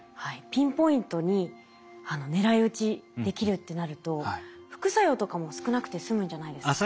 ピンポイントに狙い撃ちできるってなると副作用とかも少なくてすむんじゃないですかね。